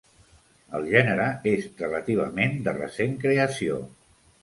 El gènere és relativament de recent creació.